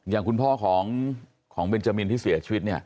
อย่างคุณพ่อของเบนจามินที่เสียชีวิตเนี่ย